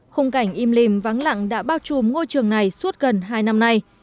khung cảnh im lìm vắng lặng đã bao trùm ngôi trường này suốt gần hai năm nay